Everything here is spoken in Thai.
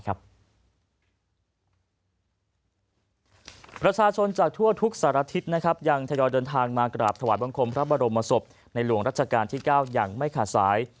ประชาชนจากทั่วทุกสารทิศยังทยอยเดินทางมากราบถวายบังคมพระบรมศพในหลวงรัชกาลที่๙อย่างไม่ขาดสาย